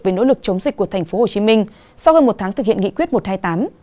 về nỗ lực chống dịch của tp hcm sau hơn một tháng thực hiện nghị quyết một trăm hai mươi tám